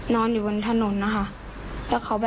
นอนอยู่บนถนนนะคะ